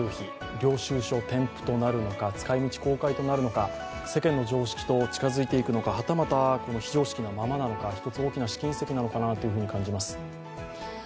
領収書添付となるのか使い道公開となるのか世間の常識と近づいていくのか、はたまた非常識のままなのか一つ大きな試金石なのかなと感じます。